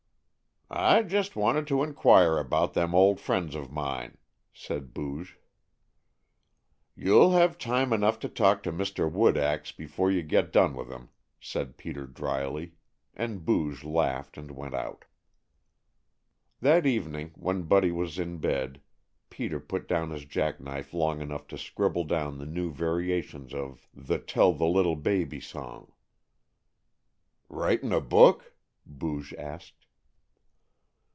"I just wanted to enquire about them old friends of mine," said Booge. "You'll have time enough to talk to Mr. Wood ax before you get done with him," said Peter dryly, and Booge laughed and went out. That evening, when Buddy was in bed Peter put down his jack knife long enough to scribble down the new variations of the "Tell the Little Baby" song. "Writin' a book?" Booge asked.